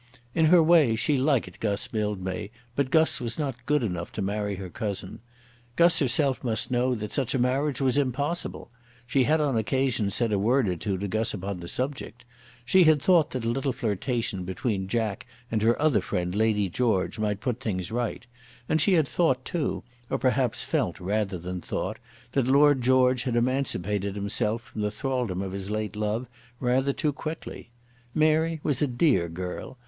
In her way she liked Guss Mildmay; but Guss was not good enough to marry her cousin. Guss herself must know that such a marriage was impossible. She had on an occasion said a word or two to Guss upon the subject. She had thought that a little flirtation between Jack and her other friend Lady George might put things right; and she had thought, too, or perhaps felt rather than thought, that Lord George had emancipated himself from the thraldom of his late love rather too quickly. Mary was a dear girl.